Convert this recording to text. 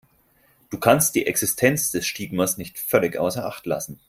Du kannst die Existenz des Stigmas nicht völlig außer Acht lassen.